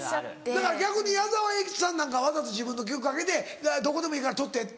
だから逆に矢沢永吉さんなんかわざと自分の曲かけて「どこでもいいから撮って」